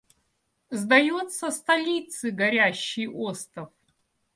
Сдается столицы горящий остов.